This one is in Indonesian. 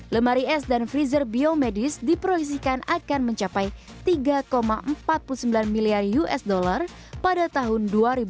lemari es dan freezer biomedis diprediksi akan mencapai tiga empat puluh sembilan miliar dolar amerika utara pada tahun dua ribu dua puluh empat